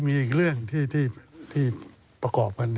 มีอีกเรื่องที่ประกอบกัน